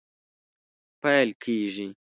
پیل کیږي